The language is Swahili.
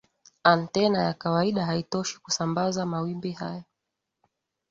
antena ya kawaida haitoshi kusambaza mawimbi hayo